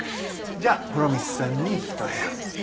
じゃ風呂光さんにひと部屋。